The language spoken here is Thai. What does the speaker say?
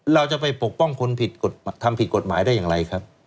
เราจะไปปกป้องคนผิดทำผิดกฎหมายได้อย่างไรครับ